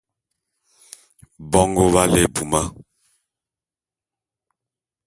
Bongo b'á lé ebuma.